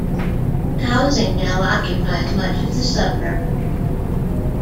Housing now occupies much of the suburb.